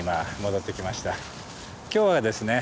今日はですね